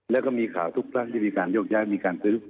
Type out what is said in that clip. แล้วก็มีข่าวทุกครั้งที่มีการโยกย้ายมีการซื้อ